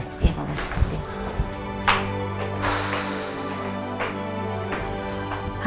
iya pak bos